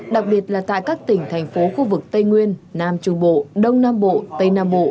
đặc biệt là tại các tỉnh thành phố khu vực tây nguyên nam trung bộ đông nam bộ tây nam bộ